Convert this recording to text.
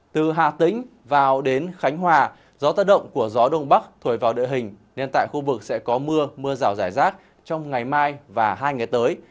từ hà tĩnh vào đến khánh hòa gió tác động của gió đông bắc thổi vào đợi hình nên tại khu vực sẽ có mưa mưa rào rải rác trong ngày mai và hai ngày tới